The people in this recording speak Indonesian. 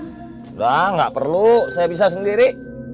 udah gak perlu saya bisa sendiri